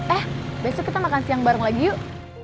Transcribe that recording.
eh besok kita makan siang bareng lagi yuk